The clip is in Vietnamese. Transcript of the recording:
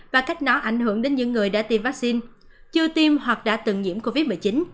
và cách nó ảnh hưởng đến những người đã tiêm vaccine chưa tiêm hoặc đã từng nhiễm covid một mươi chín